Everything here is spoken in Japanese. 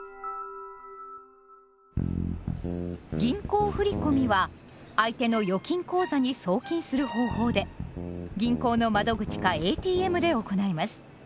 「銀行振込」は相手の預金口座に送金する方法で銀行の窓口かＡＴＭで行います。